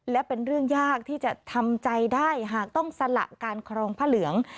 และเป็นเรื่องยากที่จะทำใจได้หากต้องสละการครองพระเหลือง